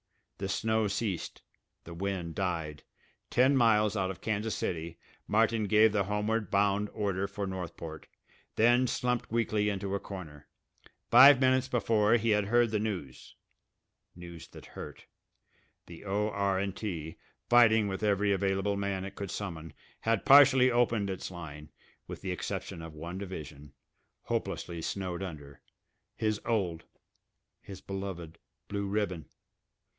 The snow ceased. The wind died. Ten miles out of Kansas City Martin gave the homeward bound order for Northport, then slumped weakly into a corner. Five minutes before he had heard the news news that hurt. The O.R.& T., fighting with every available man it could summon, had partially opened its line, with the exception of one division, hopelessly snowed under his old, his beloved Blue Ribbon.